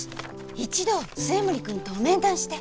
一度末森君と面談して。